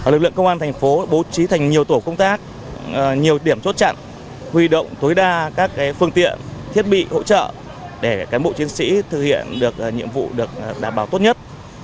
lực lượng công an thành phố bố trí thành nhiều tổ công tác nhiều điểm chốt chặn huy động tối đa các phương tiện thiết bị hỗ trợ để cán bộ chiến sĩ thực hiện được nhiệm vụ được đảm bảo tốt nhất